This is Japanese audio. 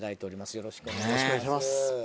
よろしくお願いします